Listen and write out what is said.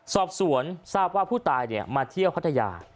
สอบสวนทราบว่าผู้ตายมาเที่ยวพัทยา